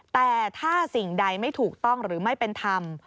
แต่ถ้าสิ่งใดไม่ถูกต้องหรือไม่เป็นธรรม